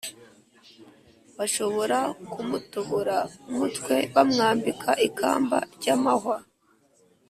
bashobora kumutobora umutwe bamwambika ikamba ry’amahwa